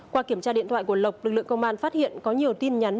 qua kiểm tra điện thoại của lộc lực lượng công an phát hiện có nhiều tin nhắn